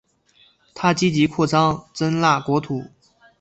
他积极扩张真腊国土。